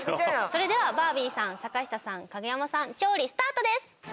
それではバービーさん坂下さん影山さん調理スタートです。